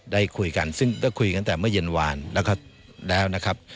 ได้คุยกันซึ่งก็คุยกันตั้งแต่เมื่อเย็นวานแล้วก็แล้วนะครับ